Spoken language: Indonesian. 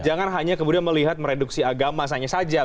jangan hanya kemudian melihat mereduksi agama saja